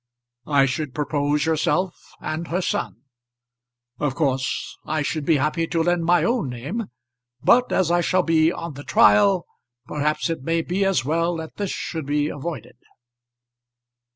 I should propose yourself and her son. Of course I should be happy to lend my own name, but as I shall be on the trial, perhaps it may be as well that this should be avoided."